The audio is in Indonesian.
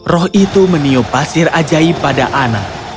roh itu meniup pasir ajaib pada anak